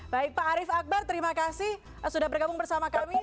baik pak arief akbar terima kasih sudah bergabung bersama kami